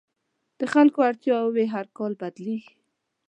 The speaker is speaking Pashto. د خلکو اړتیاوې هر کال بدلېږي.